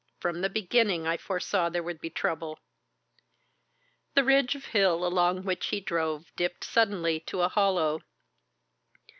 From the beginning I foresaw there would be trouble." The ridge of hill along which he drove dipped suddenly to a hollow.